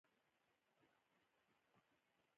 هر څومره چې پانګوالي وده وکړي اسانتیاوې زیاتېږي